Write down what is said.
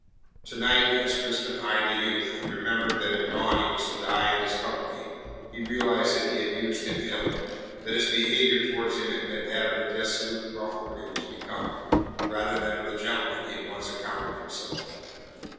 To night, as Crispin eyed the youth, and remembered that at dawn he was to die in his company, he realized that he had used him ill, that his behaviour towards him had been that of the dissolute ruffler he was become, rather than of the gentleman he had once accounted himself.